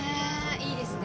いいですね！